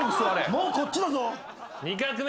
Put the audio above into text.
もうこっちだぞ。